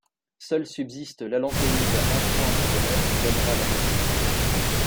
Seul subsiste l'allantoïde intra-embryonnaire qui donnera la vessie.